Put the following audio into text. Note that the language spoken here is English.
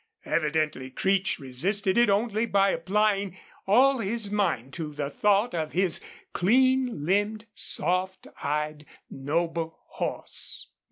Evidently Creech resisted it only by applying all his mind to the thought of his clean limbed, soft eyed, noble horse.